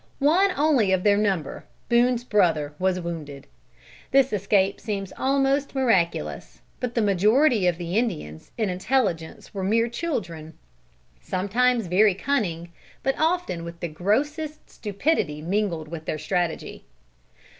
One only of their number, Boone's brother, was wounded. This escape seems almost miraculous. But the majority of the Indians in intelligence were mere children: sometimes very cunning, but often with the grossest stupidity mingled with their strategy.